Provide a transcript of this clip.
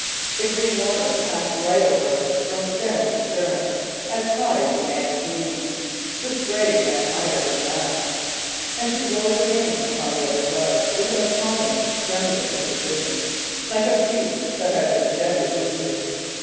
The green water passed right over her from stem to stern, as high as a man's knees; the sprays ran higher than the mast; and she rose again upon the other side, with an appalling, tremulous indecision, like a beast that has been deadly wounded.